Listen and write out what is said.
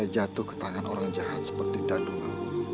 sampai jatuh ke tangan orang jahat seperti dadungmu